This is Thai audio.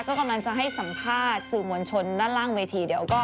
ก็กำลังจะให้สัมภาษณ์สื่อมวลชนด้านล่างเวทีเดี๋ยวก็